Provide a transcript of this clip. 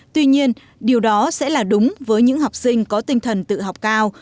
tuy nhiên điều đó sẽ là đúng với những học sinh có tinh thần tự học cao